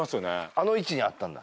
あの位置にあったんだ